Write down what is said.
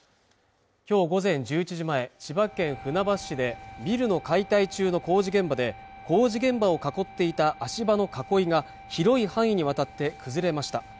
今日午前１１時前千葉県船橋市でビルの解体中の工事現場で工事現場を囲っていた足場の囲いが広い範囲にわたって崩れました